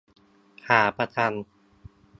ขาประจำ